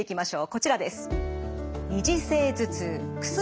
こちらです。